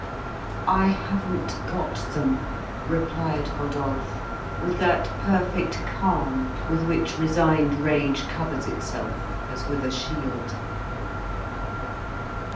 "I haven't got them," replied Rodolphe, with that perfect calm with which resigned rage covers itself as with a shield.